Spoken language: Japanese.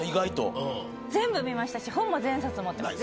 全部見ましたし本も全冊持っています。